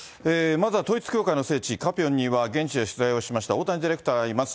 まずは統一教会の聖地、カピョンには、現地で取材をしました大谷ディレクターがいます。